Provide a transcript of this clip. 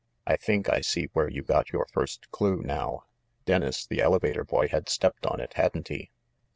I think I see where you got your first clue, now. Dennis, the elevator boy, had stepped on it, hadn't he?"